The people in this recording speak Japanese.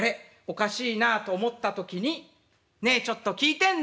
おかしいなあと思った時に「ねえちょっと聞いてんの？」。